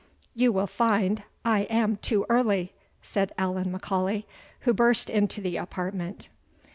"You will find I am too early," said Allan M'Aulay, who burst into the apartment.